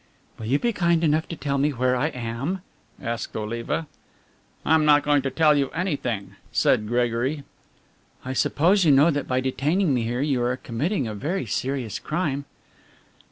"Will you be kind enough to tell me where I am?" asked Oliva. "I am not going to tell you anything," said Gregory. "I suppose you know that by detaining me here you are committing a very serious crime?"